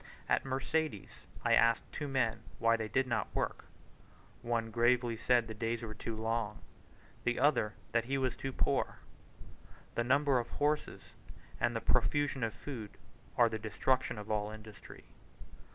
At Mercedes I asked two men why they did not work. One gravely said the days were too long; the other that he was too poor. The number of horses and the profusion of food are the destruction of all industry.